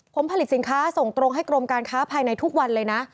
ผมผลิตสินค้าส่งตรงให้กรมการค้าภายในทุกวันเลยนะ